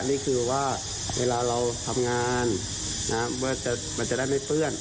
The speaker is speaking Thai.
นี่คือว่าเวลาเราทำงานนะเมื่อจะว่าจะได้ไม่เปื้อน